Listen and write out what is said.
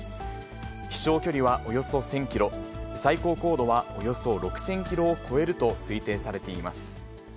飛しょう距離はおよそ１０００キロ、最高高度はおよそ６０００キロを超えると推定されています。